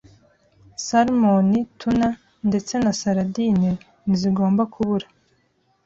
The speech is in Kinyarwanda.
salmon, tuna ndetse na sardines ntizigomba kubura